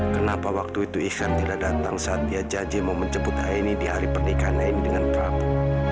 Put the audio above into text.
kenapa waktu itu ikan tidak datang saat dia jaji mau menjemput aini di hari pernikahan aini dengan prabu